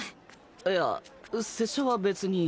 いや拙者は別に。